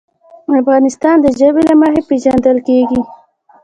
افغانستان د ژبې له مخې پېژندل کېږي.